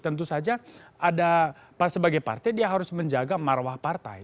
tentu saja ada sebagai partai dia harus menjaga marwah partai